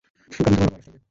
কারণ তোমার বাবা অলস টাইপের।